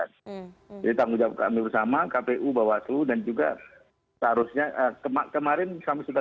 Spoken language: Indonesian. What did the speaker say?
jadi tanggung jawab kami bersama kpu bawaslu dan juga seharusnya kemarin kami sudah